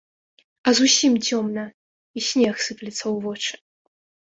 А зусім цёмна, і снег сыплецца ў вочы.